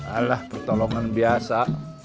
alah pertolongan biasa